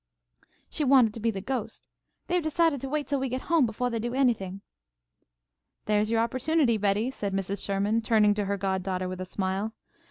"She wanted to be the ghost. They've decided to wait till we get home befo' they do anything." "There's your opportunity, Betty," said Mrs. Sherman, turning to her goddaughter with a smile.